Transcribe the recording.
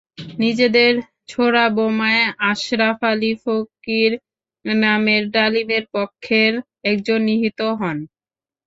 নিজেদের ছোড়া বোমায় আশরাফ আলী ফকির নামের ডালিমের পক্ষের একজন নিহত হন।